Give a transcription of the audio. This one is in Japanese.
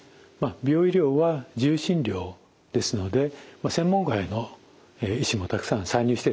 美容医療は自由診療ですので専門外の医師もたくさん参入してるんです。